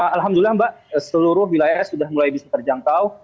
alhamdulillah mbak seluruh wilayah sudah mulai bisa terjangkau